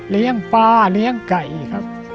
เลี้ยงปลาเลี้ยงไก่ครับ